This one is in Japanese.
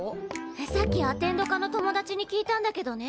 さっきアテンド科の友達に聞いたんだけどね